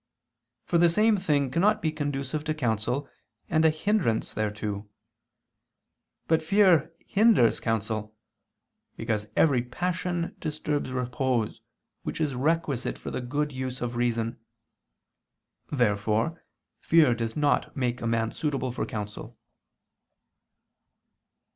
For the same thing cannot be conducive to counsel, and a hindrance thereto. But fear hinders counsel: because every passion disturbs repose, which is requisite for the good use of reason. Therefore fear does not make a man suitable for counsel.